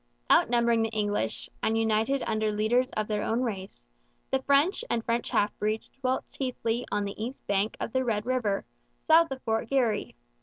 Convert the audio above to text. Outnumbering the English, and united under leaders of their own race, the French and French half breeds dwelt chiefly on the east bank of the Red River, south of Fort Garry.